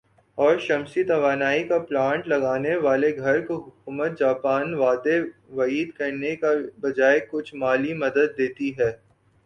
اور شمسی توانائی کا پلانٹ لگا نے والے گھر کو حکومت جاپان وعدے وعید کرنے کے بجائے کچھ مالی مدد دیتی ہے